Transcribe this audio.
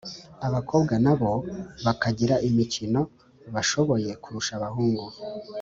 abakobwa na bo bakagira imikino bashoboye kurusha abahungu.